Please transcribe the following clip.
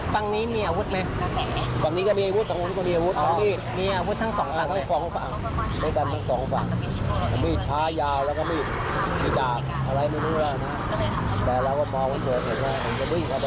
บ้างนี้ก็มีอาวุธ